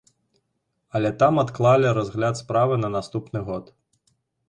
Але там адклалі разгляд справы на наступны год.